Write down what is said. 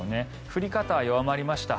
降り方は弱まりました。